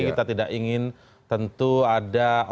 kita tidak ingin tentu ada orang lain yang